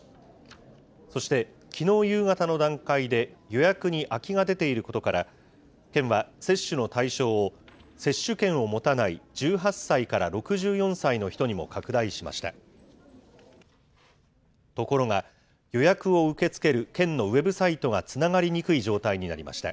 そして、きのう夕方の段階で予約に空きが出ていることから、県は接種の対象を接種券を持たない１８歳から６４歳の人にも拡大しました。